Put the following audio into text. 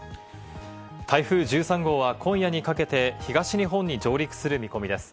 台風１３号は今夜にかけて東日本に上陸する見込みです。